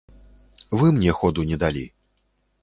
Вы мне ходу не далі.